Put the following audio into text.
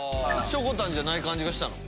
しょこたんじゃない感じがしたの？